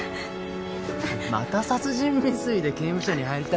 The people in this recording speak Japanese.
また殺人未遂で刑務所に入りたい。